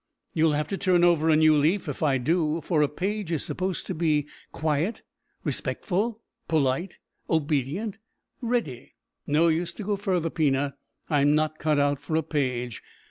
"You'll have to turn over a new leaf if I do, for a page is supposed to be quiet, respectful, polite, obedient, ready " "No use to go further, Pina. I'm not cut out for a page.